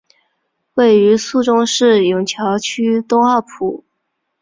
位于宿州市埇桥区东二铺。